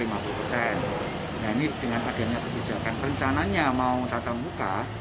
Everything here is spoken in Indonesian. nah ini dengan adanya kebijakan rencananya mau tatang buka